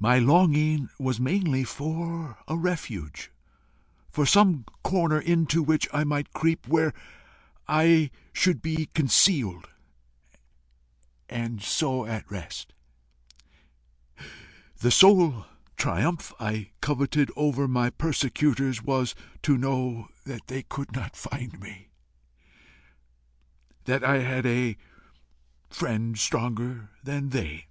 My longing was mainly for a refuge, for some corner into which I might creep, where I should be concealed and so at rest. The sole triumph I coveted over my persecutors was to know that they could not find me that I had a friend stronger than they.